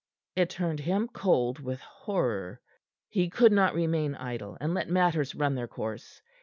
It turned him cold with horror. He could not remain idle and let matters run their course.